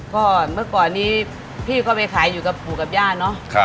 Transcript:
ก็เมื่อก่อนนี้พี่ก็ไปขายอยู่กับปู่กับย่าเนอะ